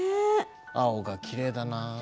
青がきれいだなぁ。